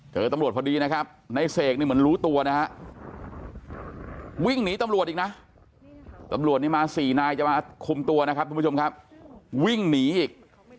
เจอตำรวจพอดีนะครับในเสกนี่เหมือนรู้ตัวนะฮะวิ่งหนีตำรวจอีกนะตำรวจนี่มาสี่นายจะมาคุมตัวนะครับทุกผู้ชมครับวิ่งหนีอีก